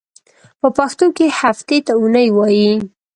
په پښتو کې هفتې ته اونۍ وایی.